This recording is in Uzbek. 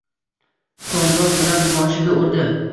Qoʻndoq bilan boshiga urdi.